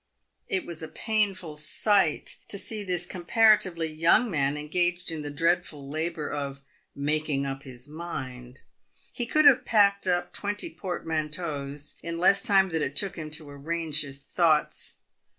It was a painful sight to see this comparatively young man engaged in the dreadful labour of "making up his mind." He could have packed up twenty portmanteaus in less time than it took him to ar range his thoughts.